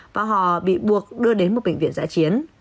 và họ bị buộc đưa đến một bệnh viện giã chiến